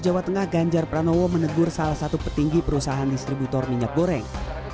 jawa tengah ganjar pranowo menegur salah satu petinggi perusahaan distributor minyak goreng